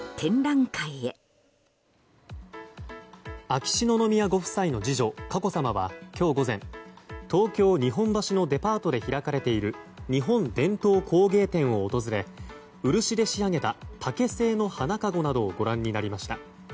秋篠宮ご夫妻の次女佳子さまは今日午前、東京・日本橋のデパートで開かれている日本伝統工芸展を訪れ漆で仕上げた竹製の花かごなどをご覧になりました。